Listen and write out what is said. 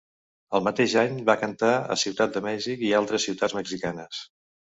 El mateix any va cantar a Ciutat de Mèxic i en altres ciutats mexicanes.